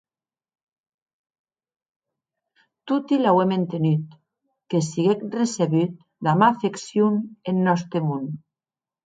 Toti l'auem entenut, que siguec recebut damb afeccion en nòste mon.